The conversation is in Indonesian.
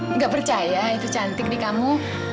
nggak percaya itu cantik di kamu